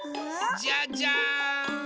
じゃじゃん！